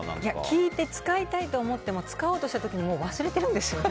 聞いて使いたいと思っても使おうとした時に忘れてるんですよね。